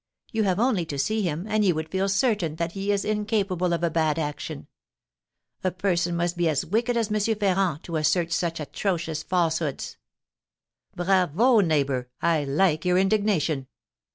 You have only to see him, and you would feel certain that he is incapable of a bad action. A person must be as wicked as M. Ferrand to assert such atrocious falsehoods." "Bravo, neighbour; I like your indignation."